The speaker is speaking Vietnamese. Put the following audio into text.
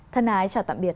thân hải chào tạm biệt